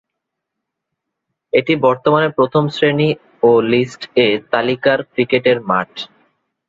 এটি বর্তমানে প্রথম শ্রেনী ও লিস্ট 'এ' তালিকার ক্রিকেটের মাঠ।